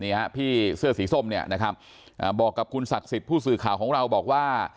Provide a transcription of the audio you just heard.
นี่ฮะพี่เสื้อสีส้มเนี่ยนะครับอ่าบอกกับคุณศักดิ์สิทธิ์ผู้สื่อข่าวของเราบอกว่า